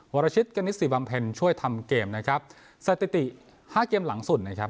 วรชิตกณิสิบำเพ็ญช่วยทำเกมนะครับสถิติห้าเกมหลังสุดนะครับ